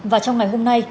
và trong ngày hôm nay